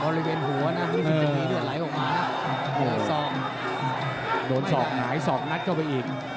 บริเวณหัวนะไม่ว่าจะมีด้วยไหลออกมานะโดนศอกหายศอกนัดเข้าไปอีก